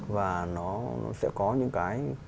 và nó sẽ có những cái